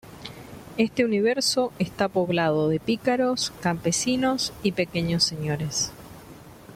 Este universo está poblado de pícaros, campesinos y pequeños señores.